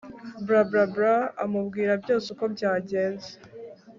bla bla bla amubwira byose uko byagenze